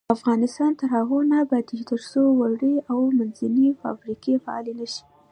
افغانستان تر هغو نه ابادیږي، ترڅو وړې او منځنۍ فابریکې فعالې نشي.